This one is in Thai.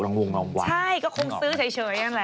ระงวงรางวัลใช่ก็คงซื้อเฉยอย่างนี้แหละ